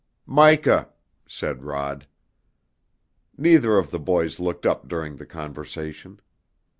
"Mica!" said Rod. Neither of the boys looked up during the conversation.